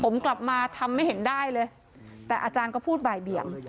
ผมกลับมาทำไม่เห็นได้เลยแต่อาจารย์ก็พูดบ่ายเบี่ยง